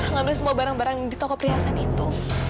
ngambil semua barang barang di toko perhiasan itu